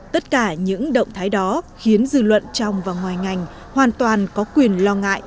tất cả những động thái đó khiến dư luận trong và ngoài ngành hoàn toàn có quyền lo ngại